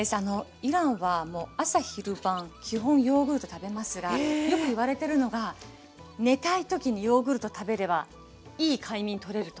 イランは朝昼晩基本ヨーグルト食べますがよくいわれてるのが寝たい時にヨーグルト食べればいい快眠とれると。